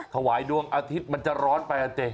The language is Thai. ถวายดวงอาทิตย์มันจะร้อนไปอ่ะเจ๊